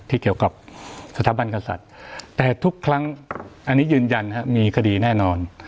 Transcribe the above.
เกี่ยวกับสถาบันกษัตริย์แต่ทุกครั้งอันนี้ยืนยันมีคดีแน่นอน